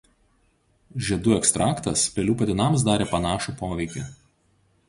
Žiedų ekstraktas pelių patinams darė panašų poveikį.